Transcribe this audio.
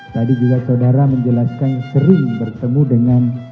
tadi juga saudara menjelaskan sering bertemu dengan